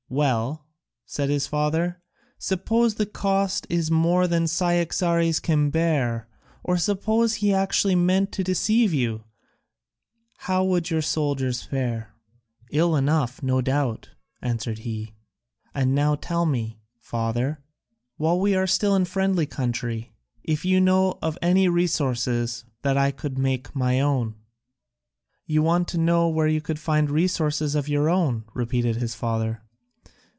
"Well," said the father, "suppose the cost is more than Cyaxares can bear, or suppose he actually meant to deceive you, how would your soldiers fare?" "Ill enough, no doubt," answered he. "And now tell me, father, while we are still in friendly country, if you know of any resources that I could make my own?" "You want to know where you could find resources of your own?" repeated his father.